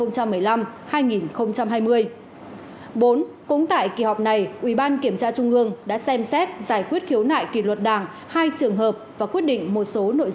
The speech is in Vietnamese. bốn cũng tại kỷ họp này ủy ban kiểm tra trung ương đã xem xét giải quyết khiếu nại kỷ luật đảng hai trường hợp và quyết định một số nội dung quan trọng khác